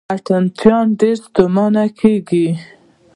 اتڼ چیان ډېر ستومانه کیږي.